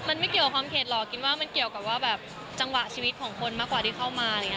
มันไม่เกี่ยวกับความเข็ดหรอกคิดว่ามันเกี่ยวกับว่าแบบจังหวะชีวิตของคนมากกว่าที่เข้ามาอะไรอย่างนี้